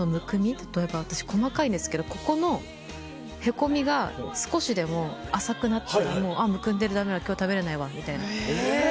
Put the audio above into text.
例えば私細かいんですけどここのへこみが少しでも浅くなったら「あぁむくんでるダメだ今日食べれないわ」みたいな。え！